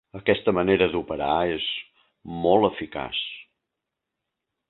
Aquesta manera d'operar és molt eficaç.